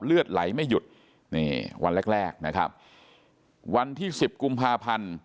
เลือดไหลไม่หยุดนี่วันแรกแรกนะครับวันที่สิบกุมภาพันธ์